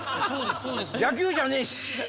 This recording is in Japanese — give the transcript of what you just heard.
野球じゃねえし！